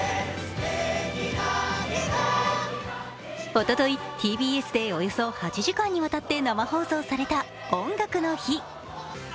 おととい、ＴＢＳでおよそ８時間にわたって生放送された「音楽の日」。